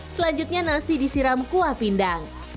selanjutnya nasi disiram kuah pindang